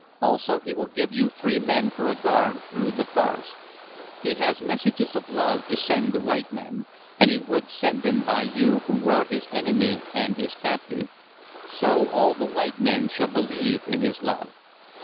Also he will give you three men for a guard through the forest. He has messages of love to send the white men, and he would send them by you who were his enemy and his captive. So all the white men shall believe in his love."